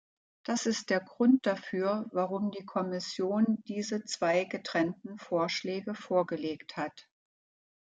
Das ist der Grund dafür, warum die Kommission diese zwei getrennten Vorschläge vorgelegt hat.